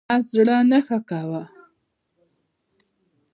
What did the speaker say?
پالمر زړه نه ښه کاوه.